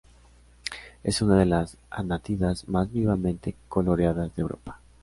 Es una de las anátidas más vivamente coloreadas de Europa.